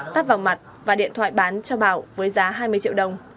tắt vào mặt và điện thoại bán cho bảo với giá hai mươi triệu đồng